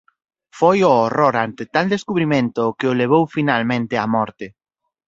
Foi o horror ante tal descubrimento o que o levou finalmente á morte.